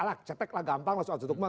alah ceteklah gampang lah soal cetukmah